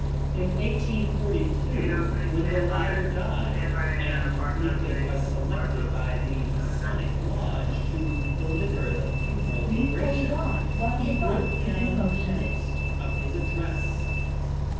In 1842, when the latter died, and Lincoln was selected by the Masonic lodge to de liver the funeral oration, he broke down in the midst of his address.